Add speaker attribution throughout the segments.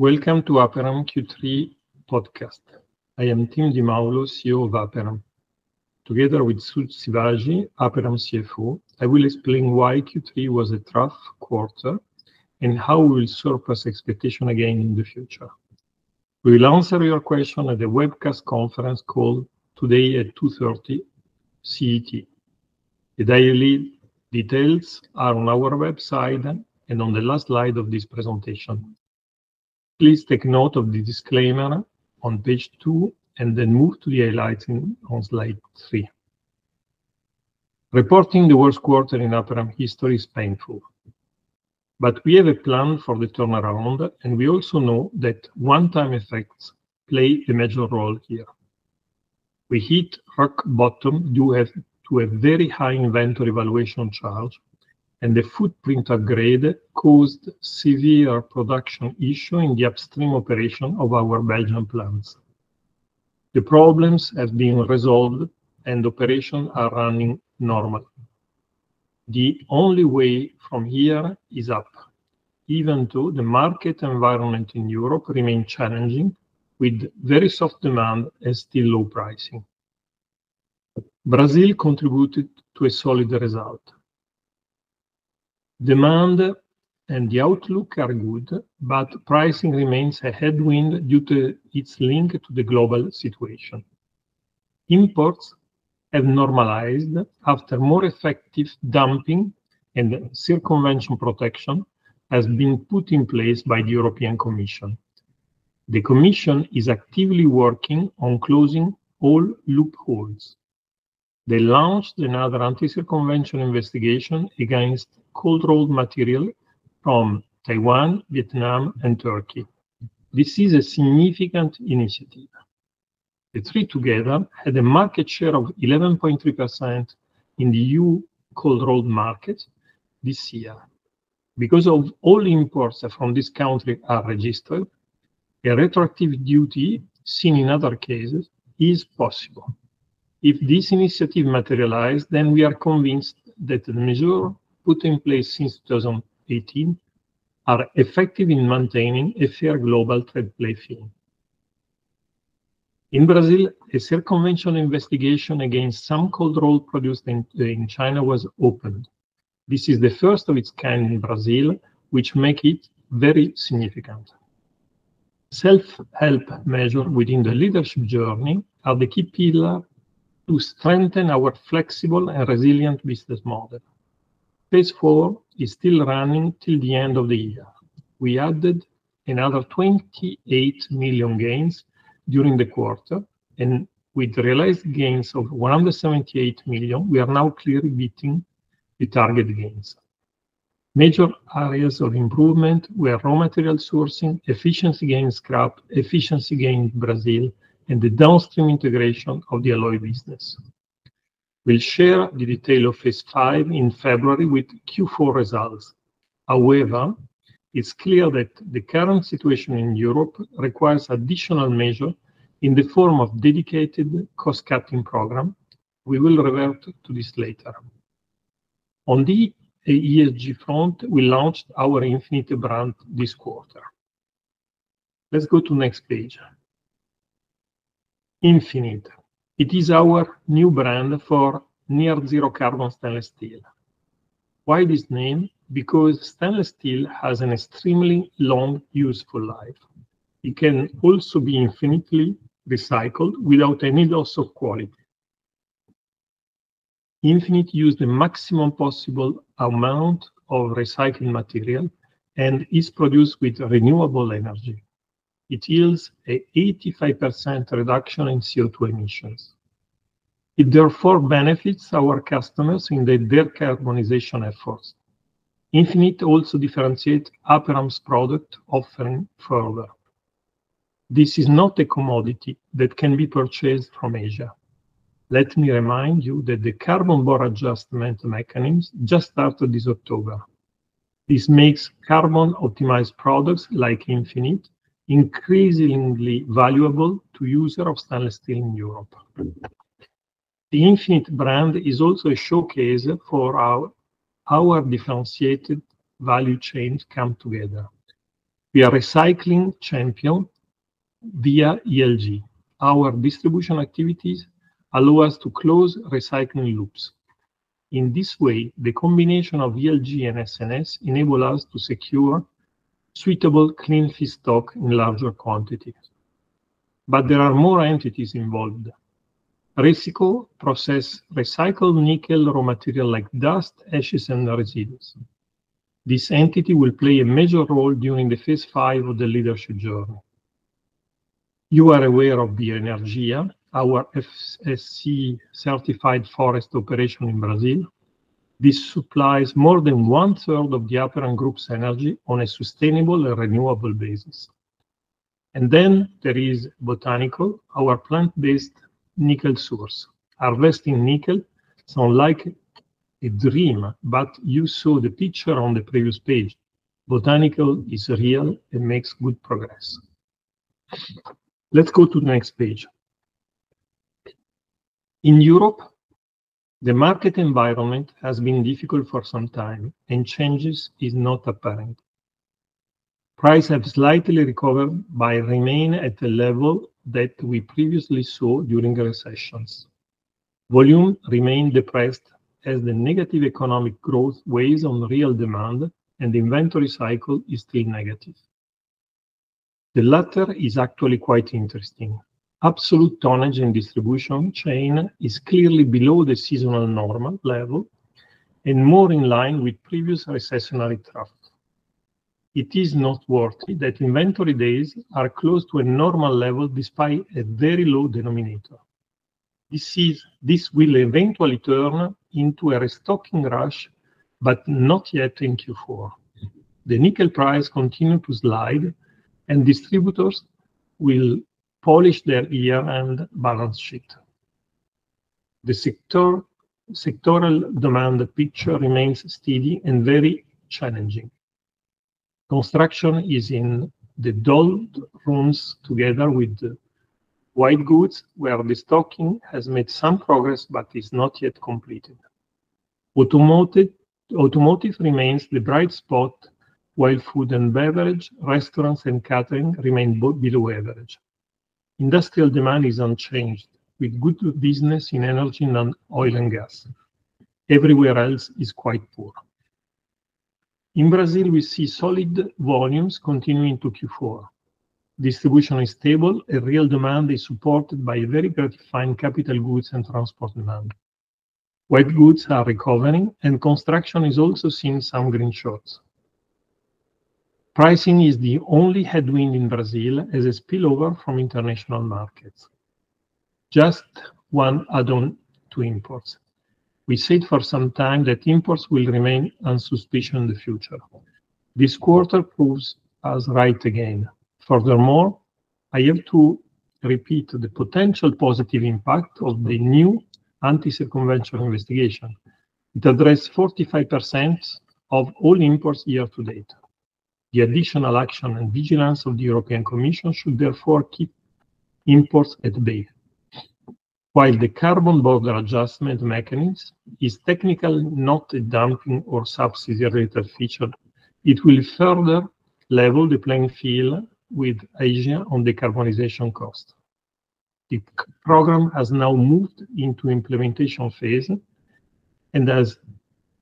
Speaker 1: Welcome to Aperam Q3 podcast. I am Tim Di Maulo, CEO of Aperam. Together with Sud Sivaji, Aperam CFO, I will explain why Q3 was a tough quarter and how we will surpass expectation again in the future. We will answer your question at the webcast conference call today at 2:30 CET. The dial-in details are on our website and on the last slide of this presentation. Please take note of the disclaimer on page 2, and then move to the highlighting on slide 3. Reporting the worst quarter in Aperam history is painful, but we have a plan for the turnaround, and we also know that one-time effects play a major role here. We hit rock bottom due to a very high inventory valuation charge, and the footprint upgrade caused severe production issue in the upstream operation of our Belgian plants. The problems have been resolved, and operations are running normally. The only way from here is up, even though the market environment in Europe remains challenging, with very soft demand and still low pricing. Brazil contributed to a solid result. Demand and the outlook are good, but pricing remains a headwind due to its link to the global situation. Imports have normalized after more effective dumping, and circumvention protection has been put in place by the European Commission. The Commission is actively working on closing all loopholes. They launched another anti-circumvention investigation against cold-rolled material from Taiwan, Vietnam, and Turkey. This is a significant initiative. The three together had a market share of 11.3% in the EU cold-rolled market this year. Because of all imports from these countries are registered, a retroactive duty seen in other cases is possible. If this initiative materialize, then we are convinced that the measure put in place since 2018 are effective in maintaining a fair global trade playing field. In Brazil, a circumvention investigation against some cold-rolled produced in China was opened. This is the first of its kind in Brazil, which make it very significant. Self-help measure within the Leadership Journey are the key pillar to strengthen our flexible and resilient business model. Phase IV is still running till the end of the year. We added another 28 million gains during the quarter, and with realized gains of 178 million, we are now clearly beating the target gains. Major areas of improvement were raw material sourcing, efficiency gains scrap, efficiency gains Brazil, and the downstream integration of the alloy business. We'll share the detail of Phase V in February with Q4 results. However, it's clear that the current situation in Europe requires additional measures in the form of a dedicated cost-cutting program. We will revert to this later. On the ESG front, we launched our Infinity brand this quarter. Let's go to the next page. Infinity. It is our new brand for near-zero-carbon stainless steel. Why this name? Because stainless steel has an extremely long, useful life. It can also be infinitely recycled without any loss of quality. Infinity uses the maximum possible amount of recycled material and is produced with renewable energy. It yields an 85% reduction in CO2 emissions. It therefore benefits our customers in their decarbonization efforts. Infinity also differentiates Aperam's product offering further. This is not a commodity that can be purchased from Asia. Let me remind you that the Carbon Border Adjustment Mechanism just started this October. This makes carbon-optimized products like Infinity increasingly valuable to users of stainless steel in Europe. The Infinity brand is also a showcase for our, our differentiated value chains come together. We are recycling champion via ELG. Our distribution activities allow us to close recycling loops. In this way, the combination of ELG and S&S enable us to secure suitable clean feedstock in larger quantities. But there are more entities involved. Recyco processes recycled nickel, raw material like dust, ashes, and residues. This entity will play a major role during Phase V of the Leadership Journey. You are aware of the BioEnergia, our FSC-certified forest operation in Brazil. This supplies more than one-third of the Aperam Group's energy on a sustainable and renewable basis. And then there is Botanickel, our plant-based nickel source. Harvesting nickel sounds like a dream, but you saw the picture on the previous page. BioEnergia is real and makes good progress. Let's go to the next page. In Europe, the market environment has been difficult for some time, and change is not apparent. Prices have slightly recovered, but remain at a level that we previously saw during recessions. Volume remained depressed as the negative economic growth weighs on real demand and the inventory cycle is still negative. The latter is actually quite interesting. Absolute tonnage in distribution chain is clearly below the seasonal normal level and more in line with previous recessionary trough. It is noteworthy that inventory days are close to a normal level despite a very low denominator. This is, this will eventually turn into a restocking rush, but not yet in Q4. The nickel price continued to slide, and distributors will polish their year-end balance sheet. The sector, sectoral demand picture remains steady and very challenging. Construction is in the doldrums, together with white goods, where restocking has made some progress but is not yet completed. Automotive remains the bright spot, while food and beverage, restaurants and catering remain below average. Industrial demand is unchanged, with good business in energy, non-oil and gas. Everywhere else is quite poor. In Brazil, we see solid volumes continuing to Q4. Distribution is stable, and real demand is supported by a very gratifying capital goods and transport demand. White goods are recovering, and construction is also seeing some green shoots. Pricing is the only headwind in Brazil as a spillover from international markets. Just one add-on to imports. We said for some time that imports will remain unimpressive in the future. This quarter proves us right again. Furthermore, I have to repeat the potential positive impact of the new anti-circumvention investigation. It addressed 45% of all imports year to date. The additional action and vigilance of the European Commission should therefore keep imports at bay. While the Carbon Border Adjustment Mechanism is technically not a dumping or subsidy feature, it will further level the playing field with Asia on decarbonization cost. The program has now moved into implementation phase, and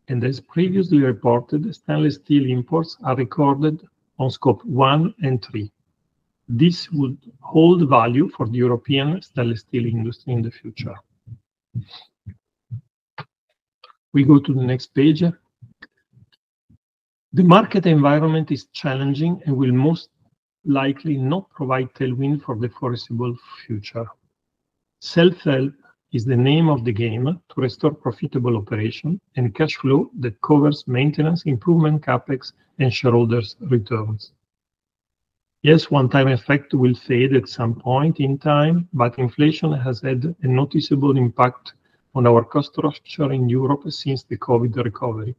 Speaker 1: as previously reported, stainless steel imports are recorded on Scope 1 and 3. This would hold value for the European stainless steel industry in the future. We go to the next page. The market environment is challenging and will most likely not provide tailwind for the foreseeable future. Self-help is the name of the game to restore profitable operation and cash flow that covers maintenance, improvement, CapEx, and shareholders' returns. Yes, one-time effect will fade at some point in time, but inflation has had a noticeable impact on our cost structure in Europe since the COVID recovery.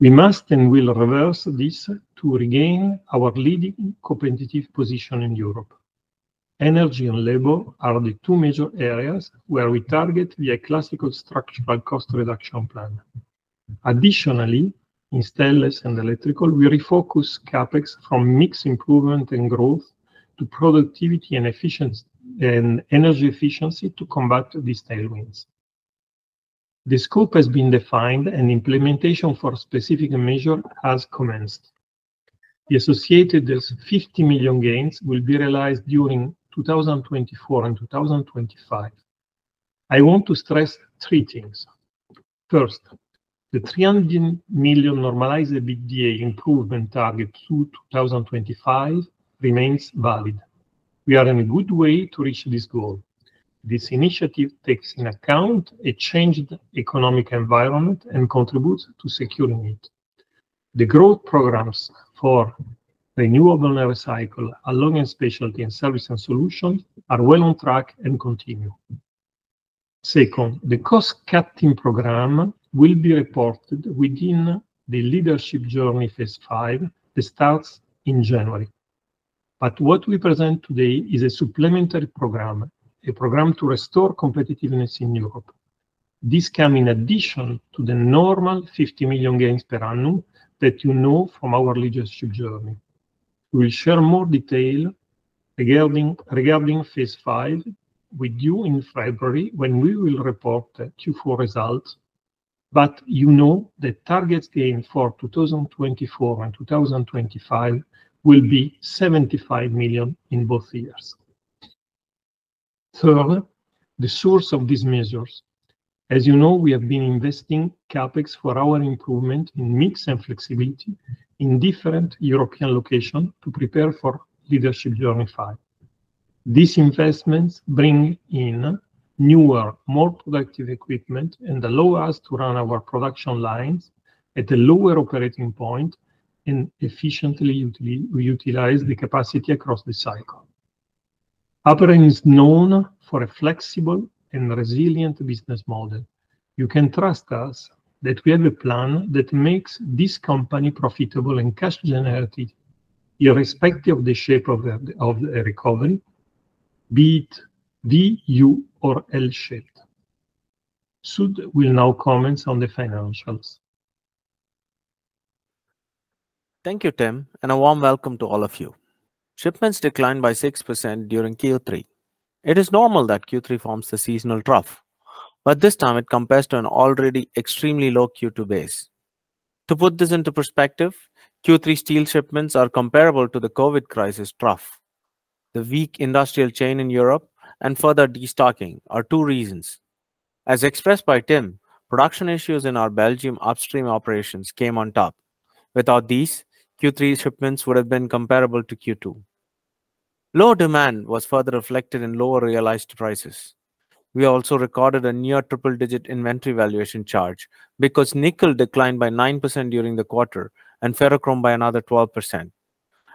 Speaker 1: We must and will reverse this to regain our leading competitive position in Europe. Energy and labor are the two major areas where we target via classical structural cost reduction plan. Additionally, in stainless and electrical, we refocus CapEx from mix improvement and growth to productivity and efficiency, and energy efficiency to combat these tailwinds. The scope has been defined, and implementation for specific measure has commenced. The associated 50 million gains will be realized during 2024 and 2025. I want to stress three things. First, the 300 million normalized EBITDA improvement target to 2025 remains valid. We are in a good way to reach this goal. This initiative takes in account a changed economic environment and contributes to securing it. The growth programs for Renewables and Recycling, along with Specialties and Services & Solutions, are well on track and continue. Second, the cost-cutting program will be reported within the Leadership Journey Phase V that starts in January. But what we present today is a supplementary program, a program to restore competitiveness in Europe. This comes in addition to the normal 50 million gains per annum that you know from our Leadership Journey. We will share more detail regarding Phase V with you in February, when we will report the Q4 results, but you know the targets gain for 2024 and 2025 will be 75 million in both years. Third, the source of these measures. As you know, we have been investing CapEx for our improvement in mix and flexibility in different European locations to prepare for Leadership Journey Phase V. These investments bring in newer, more productive equipment and allow us to run our production lines at a lower operating point and efficiently utilize the capacity across the cycle. Aperam is known for a flexible and resilient business model. You can trust us that we have a plan that makes this company profitable and cash generative, irrespective of the shape of the recovery, be it V, U, or L-shaped. Sud will now comment on the financials.
Speaker 2: Thank you, Tim, and a warm welcome to all of you. Shipments declined by 6% during Q3. It is normal that Q3 forms the seasonal trough, but this time it compares to an already extremely low Q2 base. To put this into perspective, Q3 steel shipments are comparable to the COVID crisis trough. The weak industrial chain in Europe and further destocking are two reasons. As expressed by Tim, production issues in our Belgium upstream operations came on top. Without these, Q3 shipments would have been comparable to Q2. Low demand was further reflected in lower realized prices. We also recorded a near triple-digit inventory valuation charge because nickel declined by 9% during the quarter and ferrochrome by another 12%.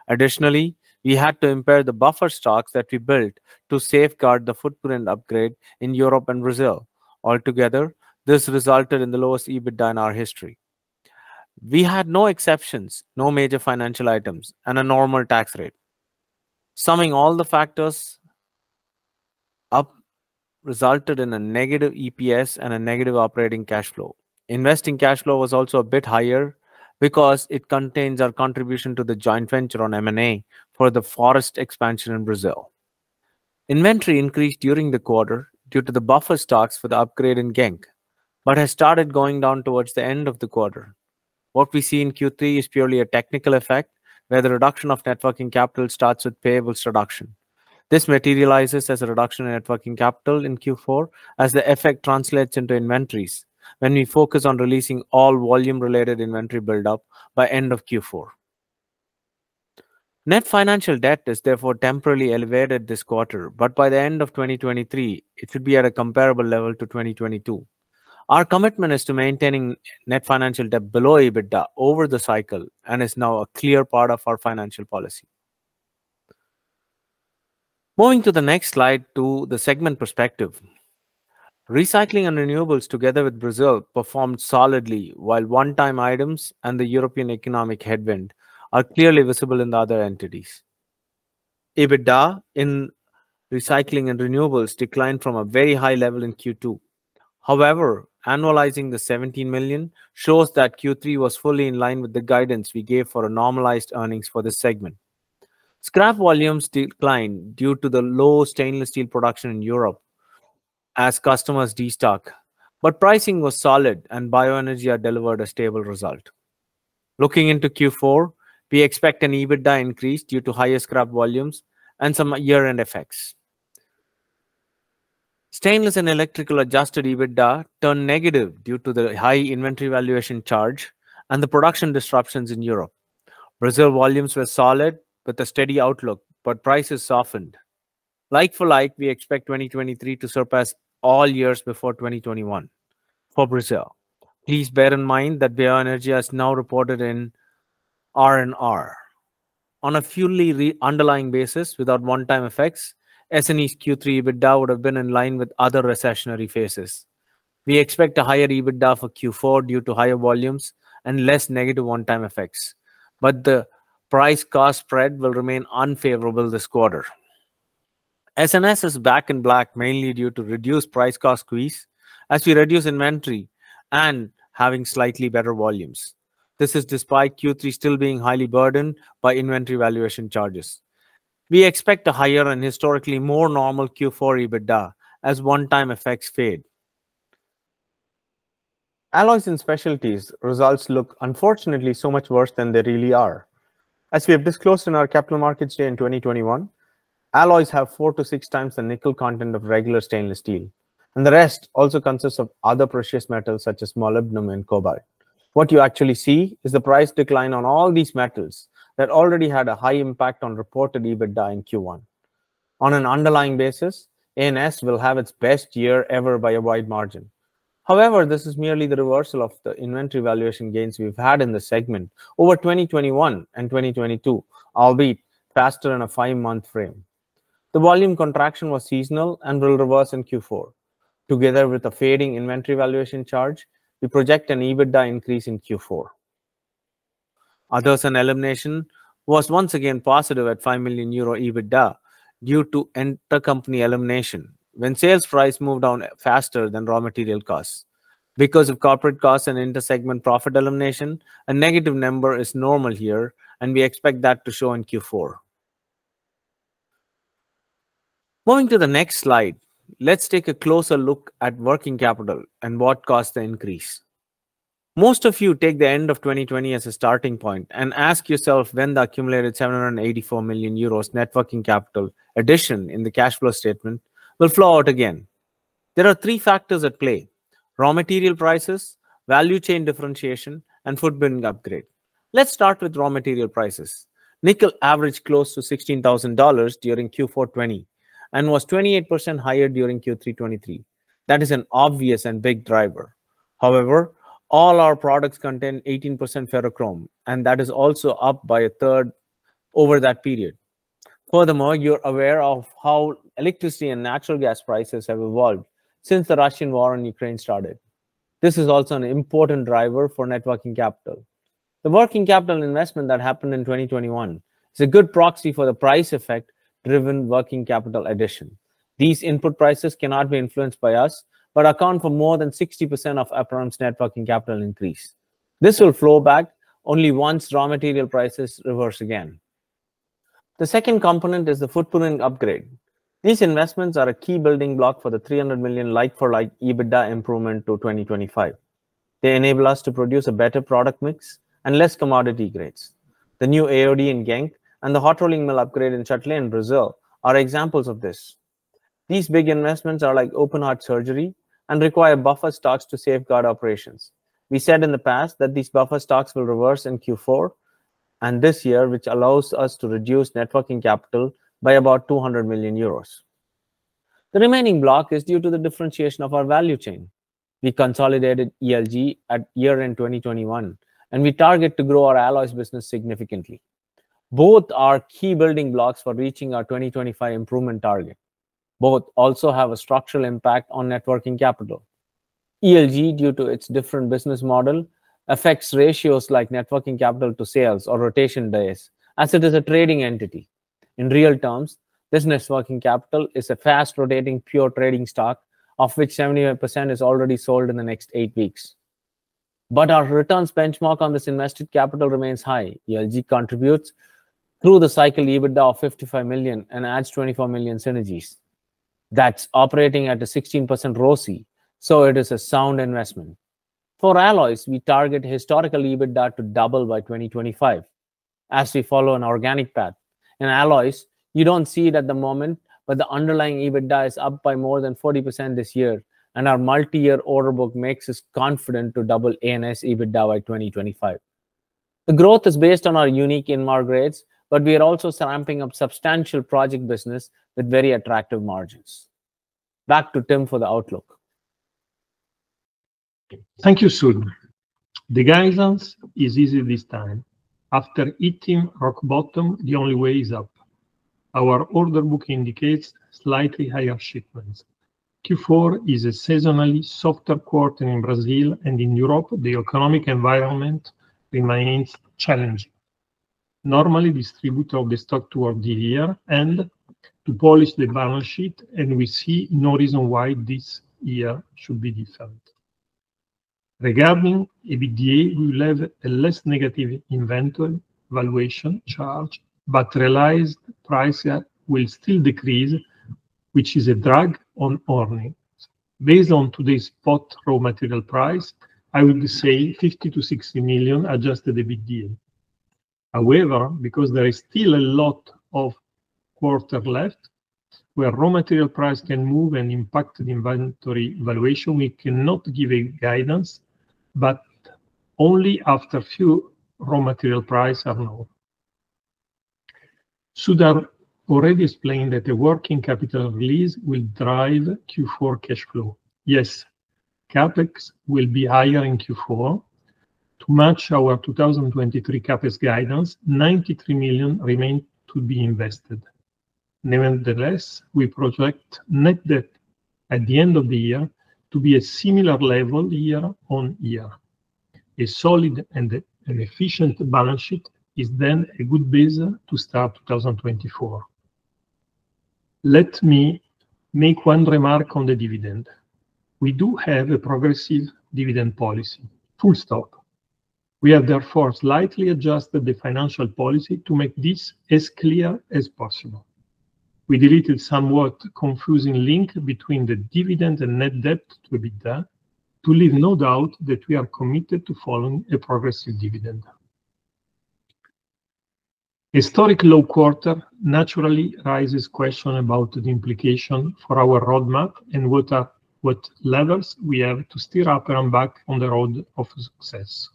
Speaker 2: Additionally, we had to impair the buffer stocks that we built to safeguard the footprint upgrade in Europe and Brazil. Altogether, this resulted in the lowest EBITDA in our history. We had no exceptions, no major financial items, and a normal tax rate. Summing all the factors up resulted in a negative EPS and a negative operating cash flow. Investing cash flow was also a bit higher because it contains our contribution to the joint venture and M&A for the forest expansion in Brazil. Inventory increased during the quarter due to the buffer stocks for the upgrade in Genk, but has started going down towards the end of the quarter. What we see in Q3 is purely a technical effect, where the reduction of net working capital starts with payables reduction. This materializes as a reduction in net working capital in Q4 as the effect translates into inventories when we focus on releasing all volume-related inventory buildup by end of Q4. Net financial debt is therefore temporarily elevated this quarter, but by the end of 2023, it should be at a comparable level to 2022. Our commitment is to maintaining net financial debt below EBITDA over the cycle and is now a clear part of our financial policy. Moving to the next slide, to the segment perspective. Recycling and Renewables, together with Brazil, performed solidly, while one-time items and the European economic headwind are clearly visible in the other entities. EBITDA in Recycling and Renewables declined from a very high level in Q2. However, annualizing the 17 million shows that Q3 was fully in line with the guidance we gave for a normalized earnings for this segment. Scrap volumes declined due to the low stainless steel production in Europe as customers destock, but pricing was solid and BioEnergia had delivered a stable result. Looking into Q4, we expect an EBITDA increase due to higher scrap volumes and some year-end effects. Stainless and Electrical Adjusted EBITDA turned negative due to the high inventory valuation charge and the production disruptions in Europe. Brazil volumes were solid, with a steady outlook, but prices softened. Like-for-like, we expect 2023 to surpass all years before 2021 for Brazil. Please bear in mind that BioEnergia is now reported in R&R. On a fully underlying basis, without one-time effects, S&E's Q3 EBITDA would have been in line with other recessionary phases. We expect a higher EBITDA for Q4 due to higher volumes and less negative one-time effects, but the price-cost spread will remain unfavorable this quarter. S&S is back in black, mainly due to reduced price-cost squeeze as we reduce inventory and having slightly better volumes. This is despite Q3 still being highly burdened by inventory valuation charges. We expect a higher and historically more normal Q4 EBITDA as one-time effects fade. Alloys and Specialties results look unfortunately so much worse than they really are. As we have disclosed in our Capital Markets Day in 2021, alloys have 4-6 times the nickel content of regular stainless steel, and the rest also consists of other precious metals, such as molybdenum and cobalt. What you actually see is the price decline on all these metals that already had a high impact on reported EBITDA in Q1. On an underlying basis, A&S will have its best year ever by a wide margin. However, this is merely the reversal of the inventory valuation gains we've had in the segment over 2021 and 2022, albeit faster in a 5-month frame. The volume contraction was seasonal and will reverse in Q4. Together with the fading inventory valuation charge, we project an EBITDA increase in Q4. Others and Eliminations was once again positive at 5 million euro EBITDA due to intercompany elimination when sales price moved down faster than raw material costs. Because of corporate costs and intersegment profit elimination, a negative number is normal here, and we expect that to show in Q4. Moving to the next slide, let's take a closer look at working capital and what caused the increase. Most of you take the end of 2020 as a starting point and ask yourself when the accumulated 784 million euros net working capital addition in the cash flow statement will flow out again. There are three factors at play: raw material prices, value chain differentiation, and footprint upgrade. Let's start with raw material prices. Nickel averaged close to $16,000 during Q4 2020 and was 28% higher during Q3 2023. That is an obvious and big driver. However, all our products contain 18% ferrochrome, and that is also up by a third over that period. Furthermore, you're aware of how electricity and natural gas prices have evolved since the Russian war on Ukraine started. This is also an important driver for net working capital. The working capital investment that happened in 2021 is a good proxy for the price effect-driven working capital addition. These input prices cannot be influenced by us, but account for more than 60% of Aperam's net working capital increase. This will flow back only once raw material prices reverse again. The second component is the footprint upgrade. These investments are a key building block for the 300 million like-for-like EBITDA improvement to 2025. They enable us to produce a better product mix and less commodity grades. The new AOD in Genk and the hot rolling mill upgrade in Timóteo, in Brazil, are examples of this. These big investments are like open heart surgery and require buffer stocks to safeguard operations. We said in the past that these buffer stocks will reverse in Q4 and this year, which allows us to reduce net working capital by about 200 million euros. The remaining block is due to the differentiation of our value chain. We consolidated ELG at year-end 2021, and we target to grow our alloys business significantly. Both are key building blocks for reaching our 2025 improvement target. Both also have a structural impact on net working capital. ELG, due to its different business model, affects ratios like net working capital to sales or rotation days, as it is a trading entity. In real terms, business working capital is a fast-rotating, pure trading stock, of which 78% is already sold in the next 8 weeks. But our returns benchmark on this invested capital remains high. ELG contributes through the cycle EBITDA of 55 million and adds 24 million synergies. That's operating at a 16% ROCE, so it is a sound investment. For alloys, we target historical EBITDA to double by 2025 as we follow an organic path. In alloys, you don't see it at the moment, but the underlying EBITDA is up by more than 40% this year, and our multi-year order book makes us confident to double A&S EBITDA by 2025. The growth is based on our unique in-market grades, but we are also ramping up substantial project business with very attractive margins. Back to Tim for the outlook.
Speaker 1: Thank you, Sud. The guidance is easy this time. After hitting rock bottom, the only way is up. Our order book indicates slightly higher shipments. Q4 is a seasonally softer quarter in Brazil and in Europe, the economic environment remains challenging. Normally, distributors destock toward the year end to polish the balance sheet, and we see no reason why this year should be different. Regarding EBITDA, we will have a less negative inventory valuation charge, but realized price will still decrease, which is a drag on earnings. Based on today's spot raw material price, I will say 50-60 million Adjusted EBITDA. However, because there is still a lot of quarter left where raw material price can move and impact the inventory valuation, we cannot give a guidance, but only after few raw material price are known. Sud already explained that the working capital release will drive Q4 cash flow. Yes, CapEx will be higher in Q4. To match our 2023 CapEx guidance, 93 million remain to be invested. Nevertheless, we project net debt at the end of the year to be a similar level year-on-year. A solid and efficient balance sheet is then a good base to start 2024. Let me make one remark on the dividend. We do have a progressive dividend policy, full stop. We have therefore slightly adjusted the financial policy to make this as clear as possible. We deleted somewhat confusing link between the dividend and net debt to EBITDA, to leave no doubt that we are committed to following a progressive dividend. Historically low quarter naturally raises questions about the implication for our roadmap and what are... What levers we have to steer up and back on the road of success.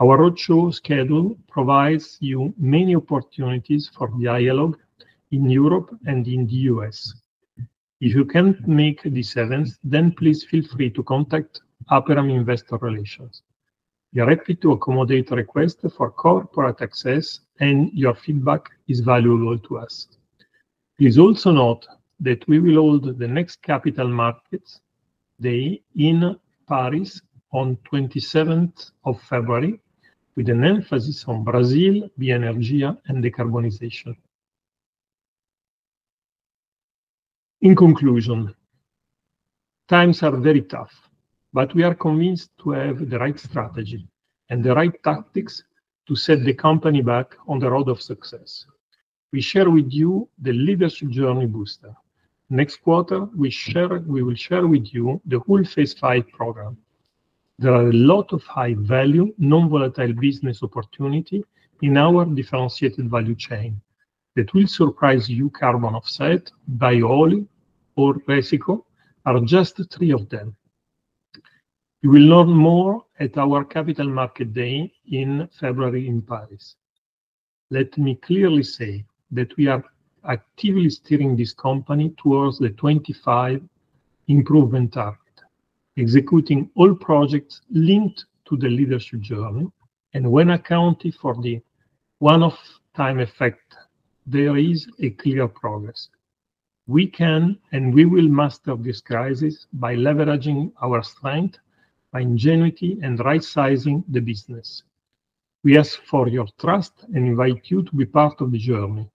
Speaker 1: Our roadshow schedule provides you many opportunities for dialogue in Europe and in the US. If you can't make these events, then please feel free to contact Aperam Investor Relations. We are happy to accommodate a request for corporate access, and your feedback is valuable to us. Please also note that we will hold the next Capital Markets Day in Paris on the 27th of February, with an emphasis on Brazil, BioEnergia, and decarbonization. In conclusion, times are very tough, but we are convinced to have the right strategy and the right tactics to set the company back on the road of success. We share with you the Leadership Journey Booster. Next quarter, we share, we will share with you the whole Phase V program. There are a lot of high-value, non-volatile business opportunity in our differentiated value chain that will surprise you. Carbon offset, bio-oil, or recycled are just three of them. You will learn more at our Capital Markets Day in February in Paris. Let me clearly say that we are actively steering this company towards the 2025 improvement target, executing all projects linked to the Leadership Journey. When accounted for the one-off time effect, there is a clear progress. We can and we will master this crisis by leveraging our strength, by ingenuity, and right-sizing the business. We ask for your trust and invite you to be part of the journey.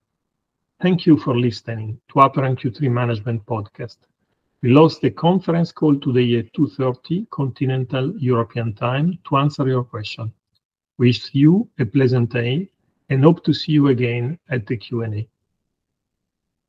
Speaker 1: Thank you for listening to Aperam Q3 Management Podcast. We host a conference call today at 2:30 P.M. Central European Time to answer your question. Wish you a pleasant day, and hope to see you again at the Q&A.